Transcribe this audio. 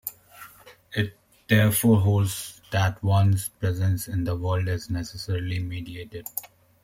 It, therefore, holds that one's presence in the world is necessarily mediated.